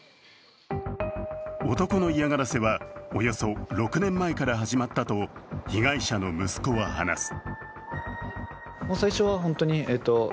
男の嫌がらせはおよそ６年前から始まったと被害者の息子は話す。